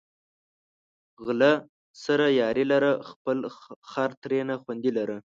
غله سره یاري لره، خپل خر ترېنه خوندي لره